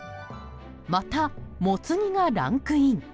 また、もつ煮がランクイン。